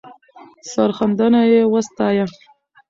سرښندنه یې وستایه.